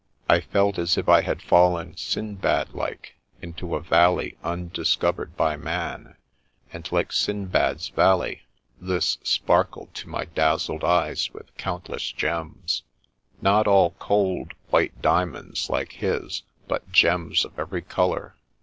I felt as if I had fallen Sindbad like, into a valley undiscovered by man ; and, like Sind bad's valley, this sparkled to my dazzled eyes with A Shadow of Night 129 countless gems. Not all cold, white diamonds, like his, but gems of every colour.